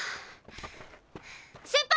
先輩！